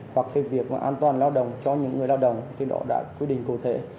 hoặc cái việc mà an toàn lao động cho những người lao động thì nó đã quy định cụ thể